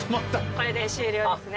これで終了ですね。